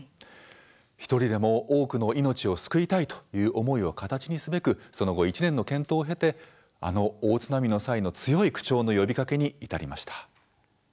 １人でも多くの命を救いたいという思いを形にすべくその後、１年の検討を経てあの大津波の際の強い口調の呼びかけに至りました。